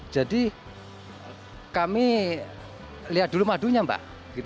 jadi kami lihat dulu madunya mbak